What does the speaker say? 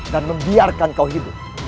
dan membiarkan kau hidup